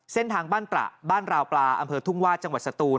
เส้นทางบ้านตระบ้านราวปลาอำเภอทุ่งวาดจังหวัดสตูน